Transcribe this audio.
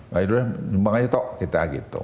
lalu nyumbang aja tok kita gitu